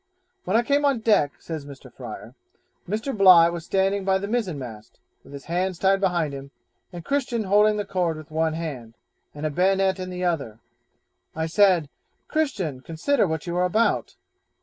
When I came on deck, says Mr. Fryer, Mr. Bligh was standing by the mizen mast, with his hands tied behind him, and Christian holding the cord with one hand, and a bayonet in the other. I said, 'Christian, consider what you are about.'